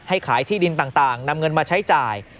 ขายที่ดินต่างนำเงินมาใช้จ่าย